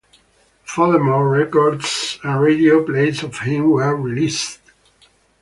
Furthermore, records and radio plays of him were released.